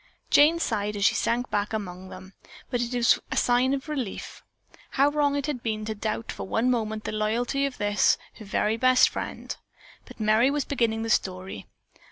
Jane sighed as she sank back among them, but it was a sigh of relief. How wrong it had been to doubt for one moment the loyalty of this, her very best friend. But Merry was beginning the story.